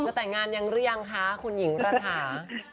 แต่งงานยังหรือยังคะคุณหญิงระถา